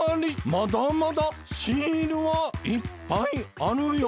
まだまだシールはいっぱいあるよ。